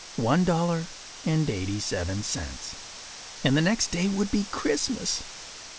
One dollar and eighty seven cents. And the next day would be Christmas.